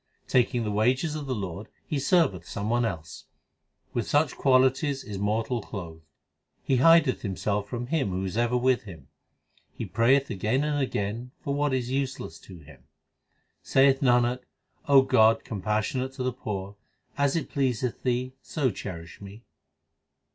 Taking the wages of the Lord he serveth some one else. With such qualities is mortal clothed. He hideth himself from Him who is ever with him. He prayeth again and again for what is useless to him. Saith Nanak, O God, compassionate to the poor, As it pleaseth Thee so cherish me.